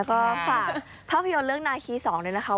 ก็ฝากภาพยนตร์เรื่องนาคี๒ด้วยนะคะ